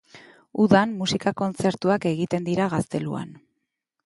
Udan musika kontzertuak egiten dira gazteluan.